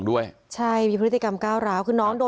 โอ้โหโอ้โหโอ้โหโอ้โห